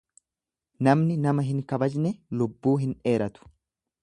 Namni nama hin kabajne lubbuu hin dheeratu.